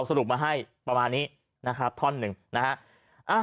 อยู่มาให้ประมาณนี้นะครับท่อน๑นะ